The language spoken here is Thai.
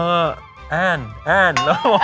เออแอ่นแอ่น